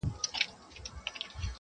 له یوه ورانه تر بل پوري به پلن وو؛